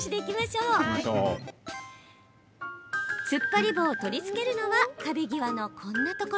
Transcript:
つっぱり棒を取り付けるのは壁際のこんな場所。